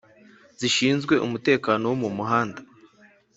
zishinzwe umutekano wo mumuhanda